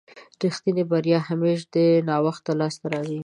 رښتينې بريا همېش ناوخته لاسته راځي.